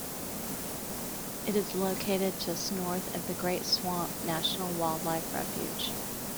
It is located just north of the Great Swamp National Wildlife Refuge.